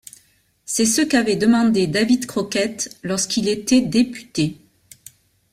C'est ce qu'avait demandé Davy Crockett lorsqu'il était député.